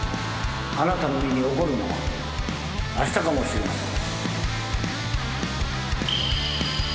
あなたの身に起こるのはあしたかもしれません。